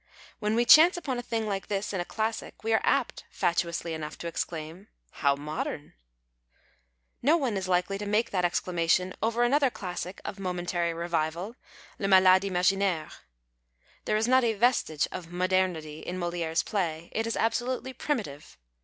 When we chance upon a thing like this in a classic we are apt, fatuously enough, t(j exclaim, " IIow modern !" No one is likely to make that exclamation over another classic of momentary revival, Le Malade Imaginaxre. There is not a vestige of " modernity " in Molieres play. It is absolutely j^rimitive.